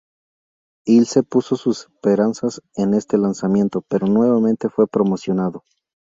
Ilse puso sus esperanzas en este lanzamiento, pero nuevamente no fue promocionado.